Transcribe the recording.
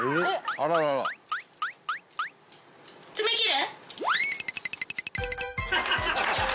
爪切る？